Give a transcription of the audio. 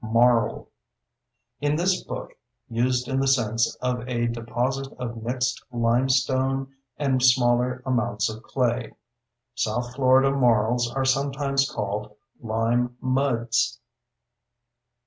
MARL: In this book, used in the sense of a deposit of mixed limestone and smaller amounts of clay; south Florida marls are sometimes called lime muds.